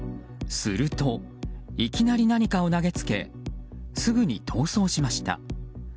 すると、いきなり何かを投げつけすぐに逃走しました。